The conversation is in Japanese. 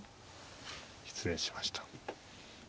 失礼しました。